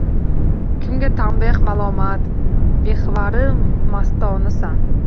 Kimga tashbeh – malomat, mehvari mastonasan.